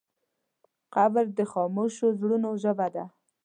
قبر د خاموشو زړونو ژبه ده.